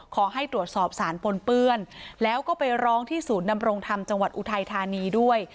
ขอให้ตรวจสอบสารปนเปื้อนแล้วก็ไปร้องที่ศูนย์ดำรงธรรมจังหวัดอุทัยธานีด้วย